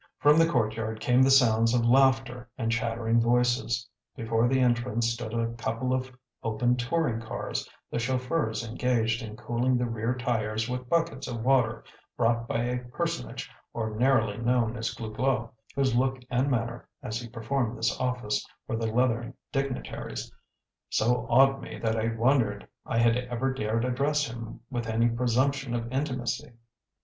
From the courtyard came the sounds of laughter and chattering voices. Before the entrance stood a couple of open touring cars; the chauffeurs engaged in cooling the rear tires with buckets of water brought by a personage ordinarily known as Glouglou, whose look and manner, as he performed this office for the leathern dignitaries, so awed me that I wondered I had ever dared address him with any presumption of intimacy.